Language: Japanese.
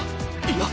いや。